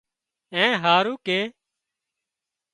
اي اين هارو ڪي